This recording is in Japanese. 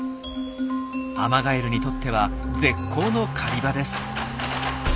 アマガエルにとっては絶好の狩り場です。